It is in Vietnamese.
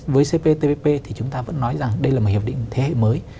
với cptpp thì chúng ta vẫn nói rằng đây là một hiệp định thế hệ mới